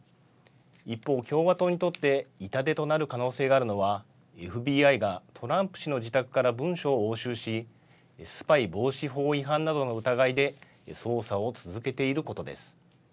一方、共和党にとって痛手となる可能性があるのは、ＦＢＩがトランプ氏の自宅から文書を押収し、スパイ防止法違反などの疑いで捜査を続けていることです。